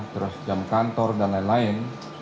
terus jam kantor dan lain lain